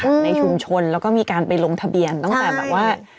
ในชุมชนแล้วก็มีการไปลงทะเบียนตั้งแต่แบบว่า